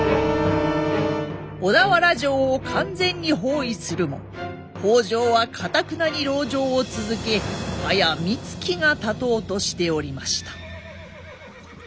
小田原城を完全に包囲するも北条はかたくなに籠城を続け早みつきがたとうとしておりました。